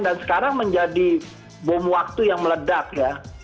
dan sekarang menjadi bom waktu yang meledak ya